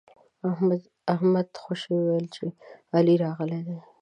احمد خوشي ويل چې علي راغلی دی.